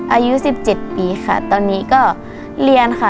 อายุ๑๗ปีค่ะตอนนี้ก็เรียนค่ะ